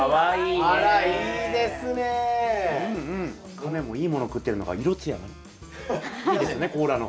カメもいいもの食ってるのか色つやがねいいですね甲羅の。